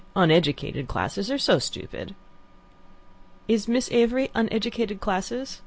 Uneducated classes are so stupid." "Is Miss Avery uneducated classes?"